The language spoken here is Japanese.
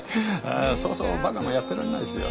そうそうバカもやってらんないですよ